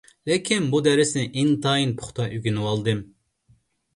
لېكىن، بۇ دەرسنى ئىنتايىن پۇختا ئۆگىنىۋالدىم.